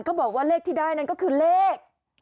บอกว่าเลขที่ได้นั่นก็คือเลข